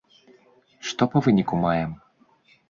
Што па выніку маем?